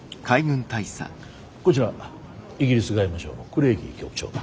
こちらイギリス外務省のクレーギー局長だ。